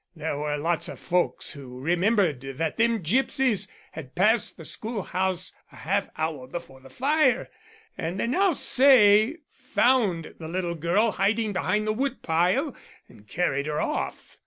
There were lots of folks who remembered that them gipsies had passed the schoolhouse a half hour before the fire, and they now say found the little girl hiding behind the wood pile, and carried her off.